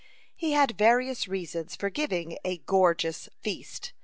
(4) He had various reasons for giving a gorgeous feast.